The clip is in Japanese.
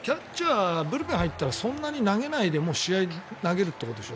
だから、ブルペンに入ったらそんなに投げないでもう試合で投げるってことでしょ？